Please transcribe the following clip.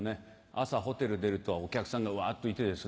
朝ホテル出るとお客さんがわっといてですね